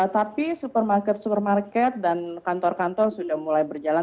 tapi supermarket supermarket dan kantor kantor sudah mulai berjalan